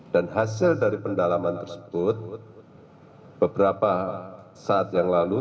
hasil dari pendalaman tersebut beberapa saat yang lalu